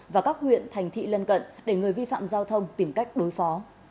và các huyện thành thị lân cận để người vi phạm giao thông tìm cách đối phó